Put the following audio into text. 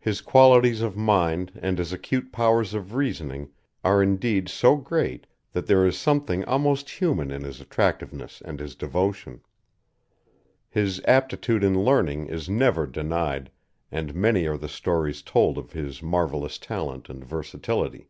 His qualities of mind and his acute powers of reasoning are indeed so great that there is something almost human in his attractiveness and his devotion. His aptitude in learning is never denied, and many are the stories told of his marvellous talent and versatility.